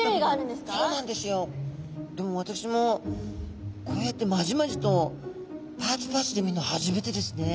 でも私もこうやってまじまじとパーツパーツで見るの初めてですね。